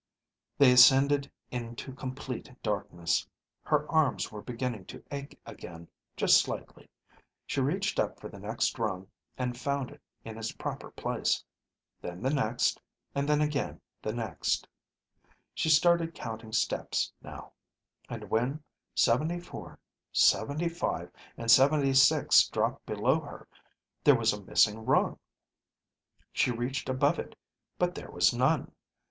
They ascended into complete darkness. Her arms were beginning to ache again, just slightly. She reached up for the next rung, and found it in its proper place. Then the next. And then again the next. She started counting steps now, and when seventy four, seventy five, and seventy six dropped below her, there was a missing rung. She reached above it, but there was none.